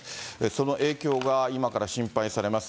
その影響が今から心配されます。